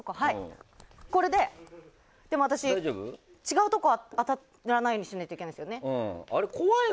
私、違うところ当たらないようにしないといけないですね。